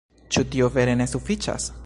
Ĉu tio vere ne sufiĉas?